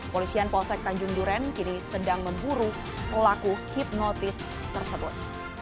polisian polsek tanjung duren kini sedang memburu pelaku hipnotis tersebut